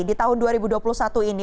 di tahun dua ribu dua puluh satu ini